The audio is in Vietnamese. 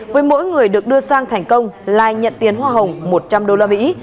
với mỗi người được đưa sang thành công lai nhận tiền hoa hồng một trăm linh đô la mỹ